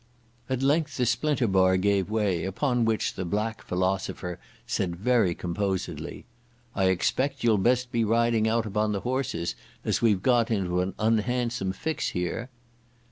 At length the splinter bar gave way, upon which the black philosopher said very composedly, "I expect you'll best be riding out upon the horses, as we've got into an unhandsome fix here."